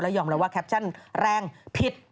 แล้วยอมรับว่าแคปชั่นแรงผิด